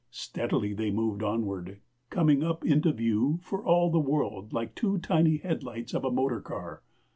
Steadily they moved onward, coming up into view for all the world like two tiny headlights of a motor car.